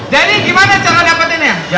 jadi gimana cara dapetinnya